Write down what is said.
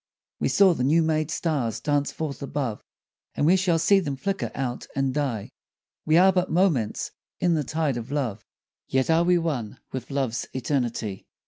We saw the new made stars dance forth above, And we shall see them flicker out and die, We are but moments in the tide of love, Yet are we one with love's eternity.